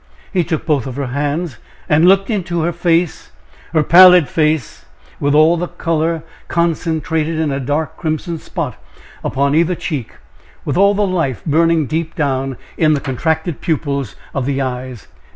He took both of her hands, and looked into her face her pallid face with all the color concentrated in a dark crimson spot upon either cheek with all the life burning deep down in the contracted pupils of the eyes.